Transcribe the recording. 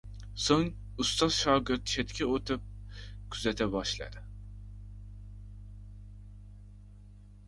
Soʻng ustoz-shogird chetga oʻtib kuzata boshladi.